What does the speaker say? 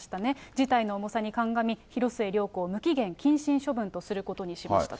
事態の重さに鑑み、広末涼子を無期限謹慎処分とすることにしましたと。